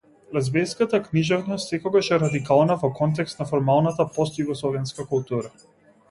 Лезбејската книжевност секогаш е радикална во контекст на формалната постјугословенска култура.